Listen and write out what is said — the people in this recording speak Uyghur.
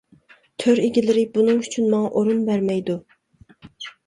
تۆر ئىگىلىرى بۇنىڭ ئۈچۈن ماڭا ئورۇن بەرمەيدۇ.